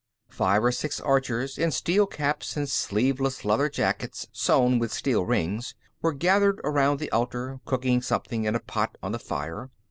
Five or six archers, in steel caps and sleeveless leather jackets sewn with steel rings, were gathered around the altar, cooking something in a pot on the fire.